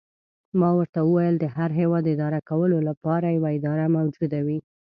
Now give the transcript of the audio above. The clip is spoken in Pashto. ما ورته وویل: د هر هیواد اداره کولو لپاره یوه اداره موجوده وي.